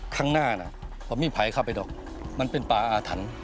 ข้างหน้านะมันไม่มีไผเข้าไปหรอกมันเป็นป่าอาทัน